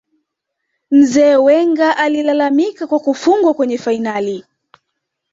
Mzee Wenger alilalamika kwa kufungwa kwenye fainali